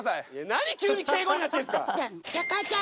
何急に敬語になってんすか！